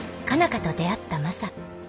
花と出会ったマサ。